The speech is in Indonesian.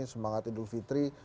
semangat idul fitri